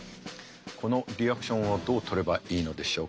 このリアクションをどうとればいいのでしょうか。